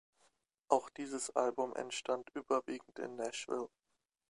Auch dieses Album entstand überwiegend in Nashville.